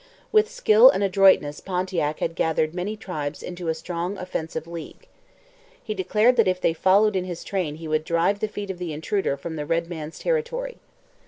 With skill and adroitness Pontiac had gathered many tribes into a strong offensive league. He declared that if they followed in his train he would drive the feet of the intruder from the red man's territory.